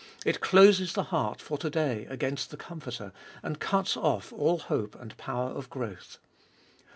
It closes the heart for to day against the Comforter, and cuts off all hope and power of growth.